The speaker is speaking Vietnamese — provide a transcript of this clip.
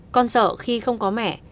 con sợ khi không có mẹ